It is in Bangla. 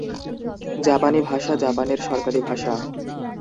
জাপানি ভাষা জাপানের সরকারি ভাষা।